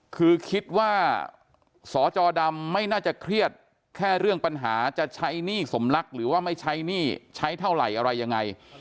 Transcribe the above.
คือคิดว่าสจดำไม่น่าจะเครียดแค่เรื่องปัญหาจะใช้หนี้สมรักหรือว่าไม่ใช้หนี้ใช้เท่าไหร่อะไรยังไง